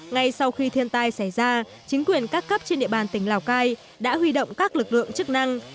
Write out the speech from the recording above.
ngay sau khi thiên tai xảy ra chính quyền các cấp trên địa bàn tỉnh lào cai đã huy động các lực lượng chức năng